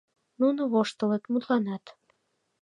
Нуно воштылыт, мутланат.